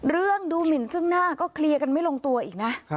เรื่องดูหมินซึ่งหน้าก็เคลียร์กันไม่ลงตัวอีกนะ